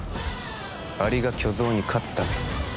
アリが巨象に勝つために